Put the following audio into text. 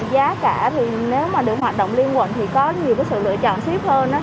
giá cả thì nếu mà được hoạt động liên quận thì có nhiều sự lựa chọn shipper hơn